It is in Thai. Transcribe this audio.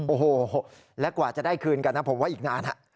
โอ้โหและกว่าจะได้คืนกันนะผมว่าอีกนาน